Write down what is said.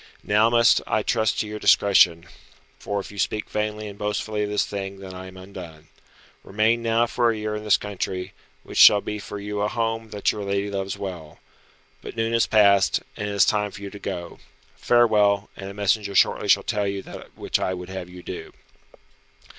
Now must I trust to your discretion, for if you speak vainly and boastfully of this thing then am I undone. Remain now for a year in this country, which shall be for you a home that your lady loves well. But noon is past, and it is time for you to go. Farewell, and a messenger shortly shall tell you that which I would have you do."